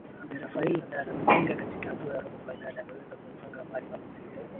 ame raphaela nadal ametinga katika hatua ya robo fainali ameweza kumfunga mari merlin silk